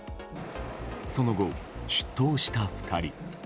その後、出頭した２人。